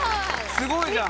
すごいじゃん。